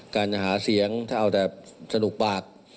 การจะหาเสียงถ้าเอาแต่สนุกปาก